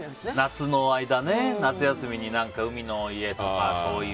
夏の間ね、夏休みに海の家とかそういう。